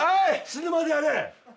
死ぬまでやれ！